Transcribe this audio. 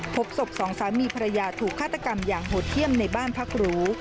พบศพสองสามีภรรยาถูกฆาตกรรมอย่างโหดเยี่ยมในบ้านพักหรู